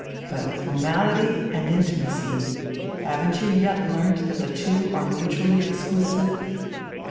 But formality and intimacy haven't you yet learnt that the two are mutually exclusive?